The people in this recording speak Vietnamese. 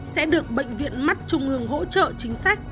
sẽ được bệnh viện mắt trung ương hỗ trợ chính sách